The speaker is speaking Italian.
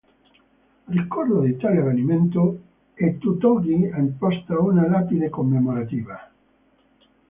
A ricordo di tale avvenimento e tutt'oggi esposta una lapide commemorativa.